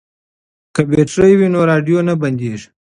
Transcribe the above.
که بیټرۍ وي نو راډیو نه بندیږي.